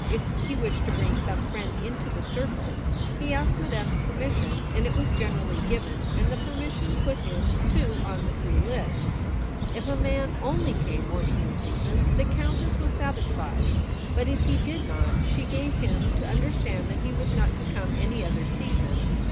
If he wished to bring some friend into the circle, he asked Madame's permission, and it was generally given, and the permission put him, too, on the free list. If a man only came once in the season, the Countess was satis fied ; but if he did not, she gave him to understand that he was not to come any other season.